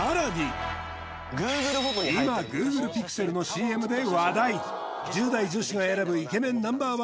今ＧｏｏｇｌｅＰｉｘｅｌのＣＭで話題１０代女子が選ぶイケメンＮｏ．１